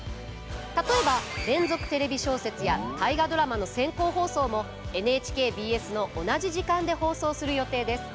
例えば「連続テレビ小説」や「大河ドラマ」の先行放送もＮＨＫＢＳの同じ時間で放送する予定です。